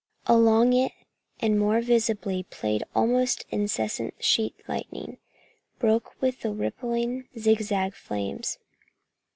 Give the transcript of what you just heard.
Along it more and more visibly played almost incessant sheet lightning, broken with ripping zigzag flames.